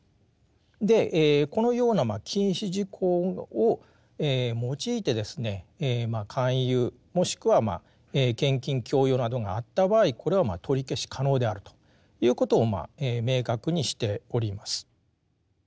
でこのような禁止事項を用いてですね勧誘もしくは献金強要などがあった場合これは取り消し可能であるということを明確にしております。